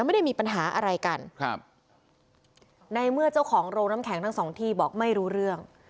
ไม่ได้มีปัญหาอะไรกันครับในเมื่อเจ้าของโรงน้ำแข็งทั้งสองที่บอกไม่รู้เรื่อง